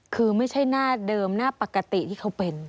คือไม่ใช่หน้าเดิมหน้าปกติที่เขาเป็น